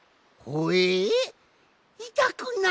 いたくない！